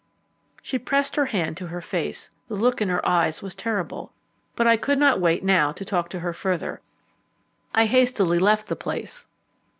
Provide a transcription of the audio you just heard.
She pressed her hand to her face; the look in her eyes was terrible. But I could not wait now to talk to her further. I hastily left the place.